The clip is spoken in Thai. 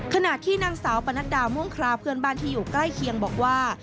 ขณะที่นางสาวปนัดดาม่วงคราเพื่อนบ้านที่อยู่ใกล้เคียงบอกว่า